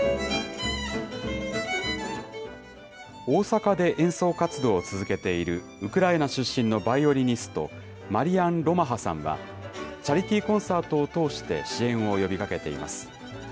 大阪で演奏活動を続けているウクライナ出身のバイオリニスト、マリアン・ロマハさんは、チャリティーコンサートを通して、支援を呼びかけています。